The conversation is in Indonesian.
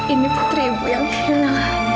ini putri ibu yang hilang